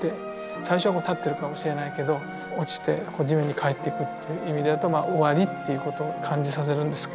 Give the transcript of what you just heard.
最初は立ってるかもしれないけど落ちて地面に帰っていくっていう意味だと終わりっていうことを感じさせるんですけど。